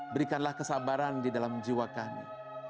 berikanlah kesabaran di dalam jiwa kami